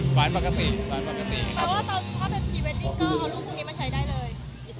เพราะว่าพวกเราไปไปพรีเวตติกก็เอาทุกคู่นี้มาใช้ได้เลย